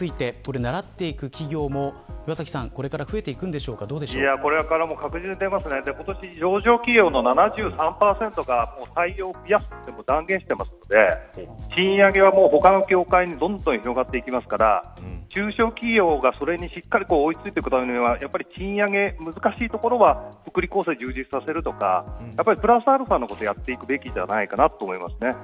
この後も中小企業でならっていく上場企業の７３％が採用を増やすと断言していますので賃上げは他の業界にどんどん広がっていきますから中小企業が、それにしっかり追いついていくためには賃上げが難しいところは福利厚生を充実させるとかプラスアルファのことをやっていくべきじゃないかと思いますね。